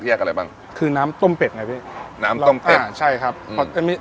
อะไรบ้างคือน้ำต้มเป็ดไงพี่น้ำต้มเป็ดอ่าใช่ครับพอจะมี